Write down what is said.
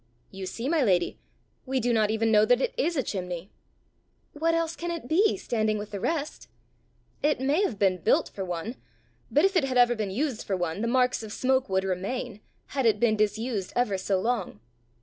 "You see, my lady! We do not even know that it is a chimney!" "What else can it be, standing with the rest?" "It may have been built for one; but if it had ever been used for one, the marks of smoke would remain, had it been disused ever so long.